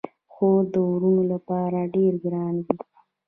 خور د وروڼو لپاره ډیره ګرانه وي.